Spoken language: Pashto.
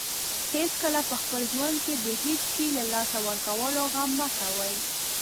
هیڅکله په خپل ژوند کې د هیڅ شی له لاسه ورکولو غم مه کوئ.